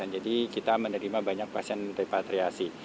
jadi kita menerima banyak pasien repatriasi